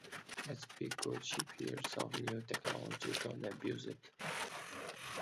Let's be good shepherds of this new technology. Don't abuse it.